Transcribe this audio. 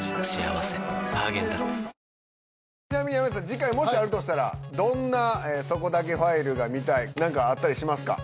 次回もしあるとしたらどんなそこだけファイルが見たい何かあったりしますか？